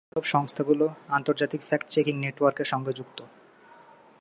এসব সংস্থাগুলো আন্তর্জাতিক ফ্যাক্ট চেকিং নেটওয়ার্কের সঙ্গে যুক্ত।